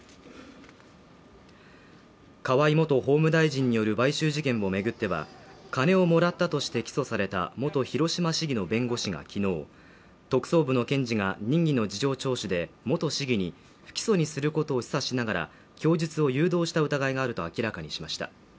河井元法務大臣による買収事件を巡っては、金をもらったとして起訴された元広島市議の弁護士が昨日特捜部の検事が任意の事情聴取で元市議に不起訴にすることを示唆しながら供述を誘導した疑いがあると明らかにしました。